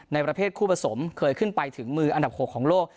ในประเภทคู่ผสมเคยขึ้นไปถึงมืออันดับ๖ของโลก